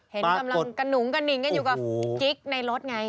เห็นกำลังกระหนุงกระหนิงกันอยู่กับกิ๊กในรถไง